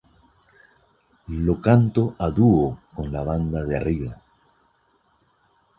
Lo canto a dúo con la banda De Arriba.